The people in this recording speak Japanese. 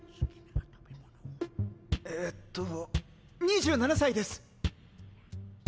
えぇっと２７歳です！